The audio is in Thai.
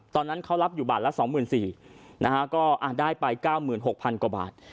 ตอนนั้นเขารับอยู่บาทละ๒๔๐๐นะฮะก็ได้ไป๙๖๐๐กว่าบาท